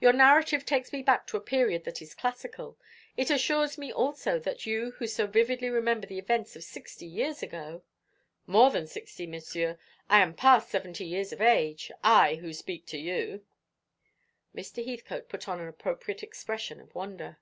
"Your narrative takes me back to a period that is classical. It assures me also that you who so vividly remember the events of sixty years ago " "More than sixty, Monsieur. I am past seventy years of age, I who speak to you." Mr. Heathcote put on an appropriate expression of wonder.